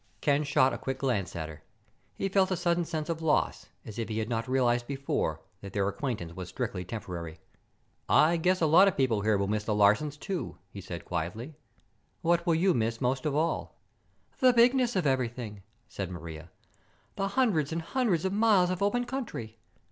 Ken shot a quick glance at her. He felt a sudden sense of loss, as if he had not realized before that their acquaintance was strictly temporary. "I guess a lot of people here will miss the Larsens, too," he said quietly. "What will you miss most of all?" "The bigness of everything," said Maria. "The hundreds and hundreds of miles of open country.